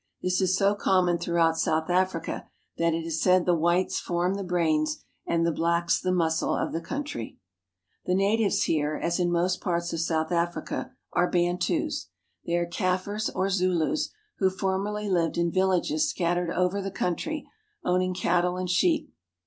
This is so common throughout South Africa that it is said the whites form the brains and the blacks the muscle of the country. The natives here, as in most parts of South Africa, are Bantus. They are Kaffirs or Zulus, who formerly lived in villages scattered over the country, owning cattle and sheep.